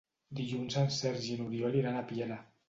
Dilluns en Sergi i n'Oriol iran a Piera.